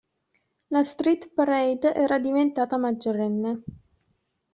La Street Parade era diventata maggiorenne.